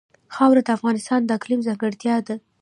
خاوره د افغانستان د اقلیم ځانګړتیا ده.